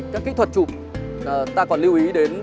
các kích thuật chụp ta còn lưu ý đến